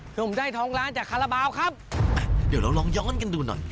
ผมได้ท้องร้านจากคาราบาลครับอ่ะเดี๋ยวเราลองย้อนกันดูหน่อย